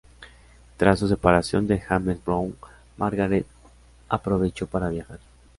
Tras su separación de James Brown, Margaret aprovechó para viajar.